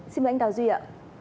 xin mời anh đào duy ạ